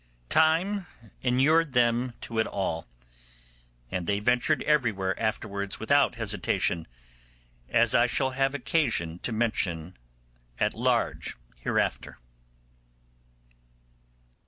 Time inured them to it all, and they ventured everywhere afterwards without hesitation, as I shall have occasion to mention at large hereafter.